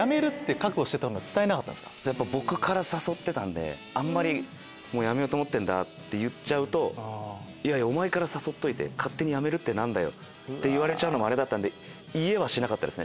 僕から誘ってたんでもうやめようと思ってんだって言っちゃうと「お前から誘っといて勝手にやめるって何だよ」って言われちゃうのもあれだったんで言えはしなかったですね